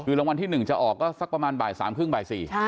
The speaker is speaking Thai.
คือรางวัลที่หนึ่งจะออกก็สักประมาณบ่ายสามครึ่งบ่ายสี่